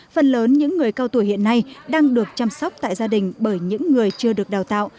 phần lớn những người cao tuổi hiện nay đang được chăm sóc tại gia đình bởi những người chưa được đào tạo